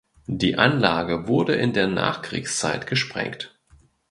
Die Anlage wurde in der Nachkriegszeit gesprengt.